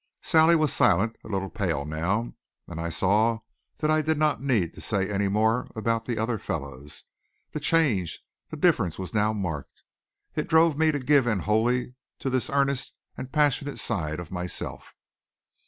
Sally was silent, a little pale now, and I saw that I did not need to say any more about the other fellows. The change, the difference was now marked. It drove me to give in wholly to this earnest and passionate side of myself.